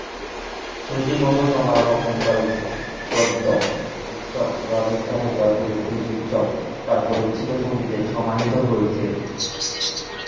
শ্রুতি-মণ্ডল-সমারোহ, কুম্ভাল-গর্দ্ধ-উৎসব, রাজস্থানের জয়পুরে তীজ-উৎসব তাঁর পরিবেশিত সঙ্গীতে সমাহিত হয়েছে।